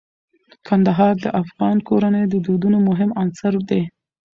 کندهار د افغان کورنیو د دودونو مهم عنصر دی.